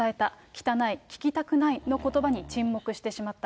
汚い、聞きたくないのことばに、沈黙してしまった。